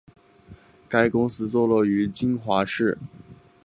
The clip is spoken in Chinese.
该公司坐落在金华市。